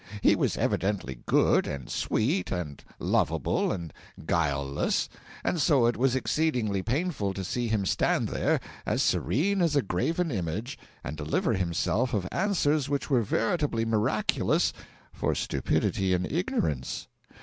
He was evidently good, and sweet, and lovable, and guileless; and so it was exceedingly painful to see him stand there, as serene as a graven image, and deliver himself of answers which were veritably miraculous for stupidity and ignorance.